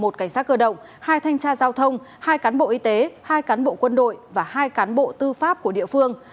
một cảnh sát cơ động hai thanh tra giao thông hai cán bộ y tế hai cán bộ quân đội và hai cán bộ tư pháp của địa phương